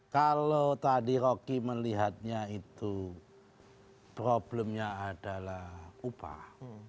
kalau tadi rocky melihatnya itu problemnya adalah upah